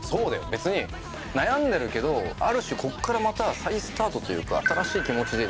別に悩んでるけどある種こっからまた再スタートというか。